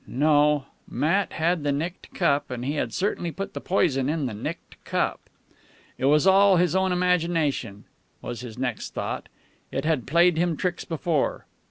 No, Matt had the nicked cup, and he had certainly put the poison in the nicked cup. It was all his own imagination, was his next thought. It had played him tricks before.